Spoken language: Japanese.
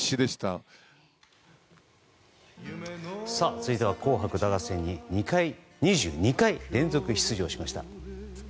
続いては「紅白歌合戦」に２２回連続出場しました。